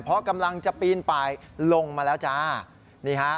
พอกำลังจะปีนไปลงมาแล้วจ้า